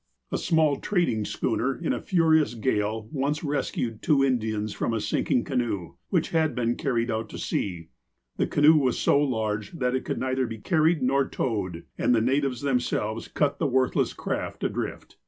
A small trading schooner, in a furious gale, once res cued two Indians from a sinking canoe, which had been carried out to sea. The canoe was so large that it could neither be carried nor towed, and the natives themselves cut the worthless craft adrift.